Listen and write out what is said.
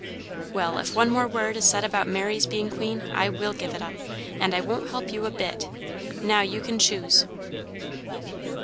Well, if one more word is said about Mary's being queen, I will give it up, and I won't help you a bit. Now you can choose."